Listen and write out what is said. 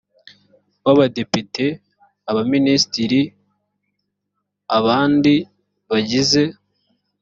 w abadepite abaminisitiri abandi bagize